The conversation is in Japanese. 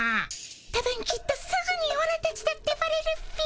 たぶんきっとすぐにオラたちだってバレるっピ。